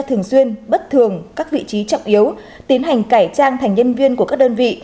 thường xuyên bất thường các vị trí trọng yếu tiến hành cải trang thành nhân viên của các đơn vị